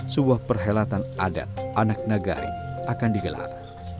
sebuah perhelatan adat anak nagari akan digelar